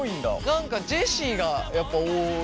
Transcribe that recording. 何かジェシーがやっぱ多いか。